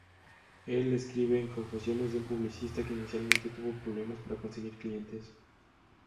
Él escribe en "Confesiones de un publicista" que inicialmente tuvo problemas para conseguir clientes.